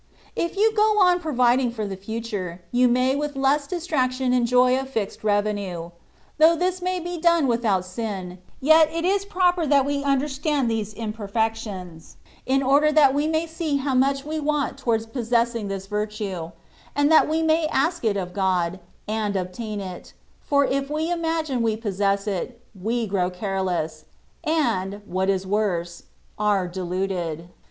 If you go on providing for the fature, you may with less distraction enjoy a fixed revenue. Though this may be done without sin, yet it is proper that we understand these imper fections, in order that we may see how much we Ti^nelo por cosa accessoria, y no principaL'' THE WAY OF PERFECTION. 197 want towards possessing this virtue, and that we may ask it of God, and obtain it; for if we imagine we possess it, we grow careless, and (what is worse) are deluded.